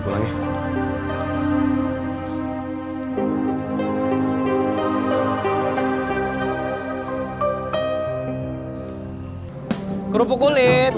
kerupuk kulit kerupuk kulit